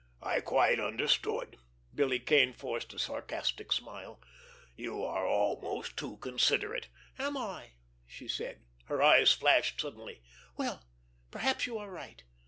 "I quite understood!" Billy Kane forced a sarcastic smile. "You are almost too considerate!" "Am I?" she said. Her eyes flashed suddenly. "Well, perhaps you are right!